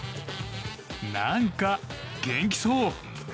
何か元気そう！